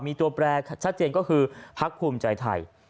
มีตัวแปรชัดเจนก็คือพักภูมิใจไทย